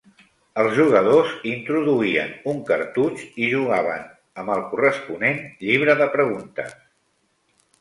Els jugadors introduïen un cartutx i jugaven amb el corresponent llibre de preguntes.